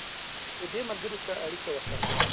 له دې ملګري سره اړیکه وساتئ.